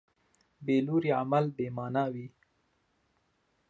بېلوري عمل بېمانا وي.